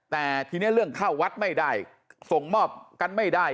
แต่ทีนี้เรื่องเข้าวัดไม่ได้ส่งมอบกันไม่ได้